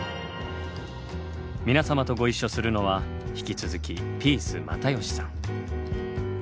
皆様とご一緒するのは引き続きピース又吉さん。